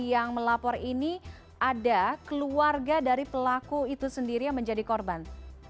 yang melapor ini ada keluarga dari pelaku itu sendiri yang menjadi korban